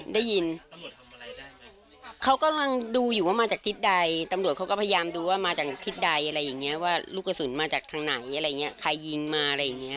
ได้ยินตำรวจทำอะไรได้ไหมเขากำลังดูอยู่ว่ามาจากทิศใดตำรวจเขาก็พยายามดูว่ามาจากทิศใดอะไรอย่างเงี้ยว่าลูกกระสุนมาจากทางไหนอะไรอย่างเงี้ใครยิงมาอะไรอย่างเงี้